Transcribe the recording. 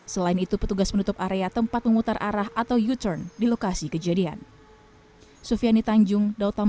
selain itu petugas menutup area tempat memutar arah atau u turn di lokasi kejadian